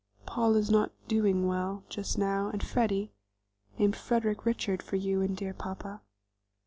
Paul is not doing well just now, and Freddie (named Frederick Richard for you and dear papa).'"